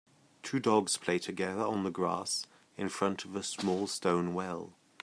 Two dogs play together on the grass in front of a small stone well.